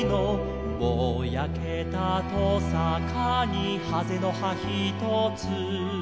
「ぼやけたとさかにはぜの葉ひとつ」